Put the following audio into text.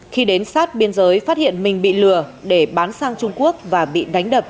khi đến sát biên giới phát hiện mình bị lừa để bán sang trung quốc và bị đánh đập